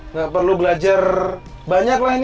nah perlu belajar banyak lah ini